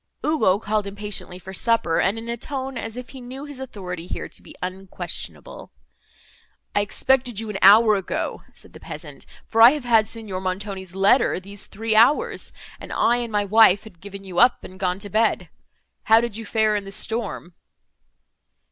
Ugo called impatiently for supper, and in a tone as if he knew his authority here to be unquestionable. "I expected you an hour ago," said the peasant, "for I have had Signor Montoni's letter these three hours, and I and my wife had given you up, and gone to bed. How did you fare in the storm?"